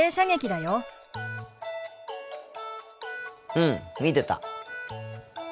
うん見てた。